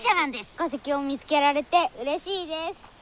化石を見つけられてうれしいです！